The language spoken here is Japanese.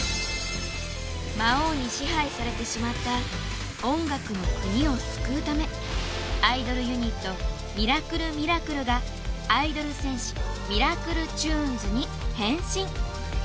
魔王に支配されてしまった音楽の国を救うためアイドルユニットミラクルミラクルがアイドル×戦士ミラクルちゅーんずに変身！